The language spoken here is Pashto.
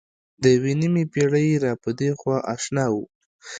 د یوې نیمې پېړۍ را پدېخوا اشنا وه.